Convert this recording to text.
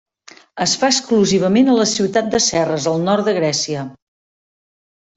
Es fa exclusivament a la ciutat de Serres al nord de Grècia.